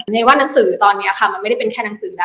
ว่านังสือตอนนี้ค่ะมันไม่ได้เป็นแค่หนังสือแล้ว